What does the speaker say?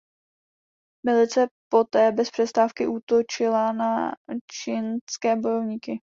Milice poté bez přestávky útočila na čchingské bojovníky.